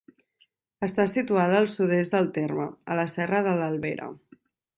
Està situada al sud-est del terme, a la serra de l'Albera.